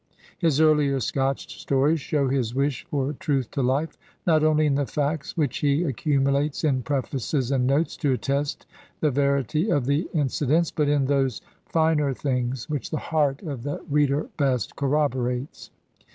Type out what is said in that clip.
His earlier Scotch stories show his wish for truth to life, not only in the facts which he accumu lates in prefaces and notes to attest the verity of the in cidents, but in those finer things which the heart of the reader best corroborates.